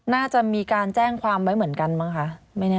น่าจะมีการแจ้งความไว้เหมือนกันมั้งคะ